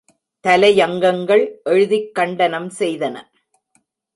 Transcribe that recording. தலையங்கங்கள் எழுதிக் கண்டனம் செய்தன.